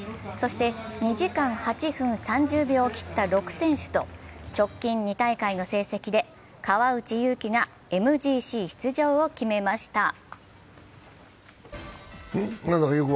そして２時間８分３０秒を切った６選手と直近２大会の成績で川内優輝がＭＧＣ出場を決めました。